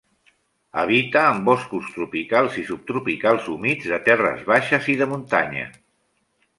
Habita en boscos tropicals i subtropicals humits de terres baixes i de muntanya.